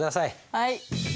はい。